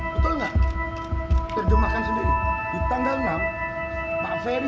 betul nggak terjemahkan sendiri di tanggal enam pak ferry